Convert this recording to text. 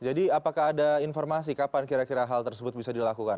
jadi apakah ada informasi kapan kira kira hal tersebut bisa dilakukan